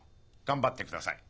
頑張ってください。